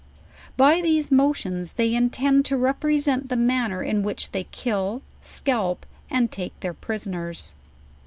By these motions they intend to represent the manner in which they kill, scalp, and take their prisoneie.